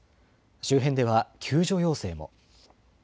周辺では救助要請も。